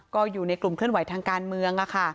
ก็อยู่ในกลุ่มเคลื่อนไหวทางการเมือง